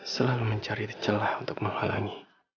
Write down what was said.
selalu mencari celah untuk menghalangi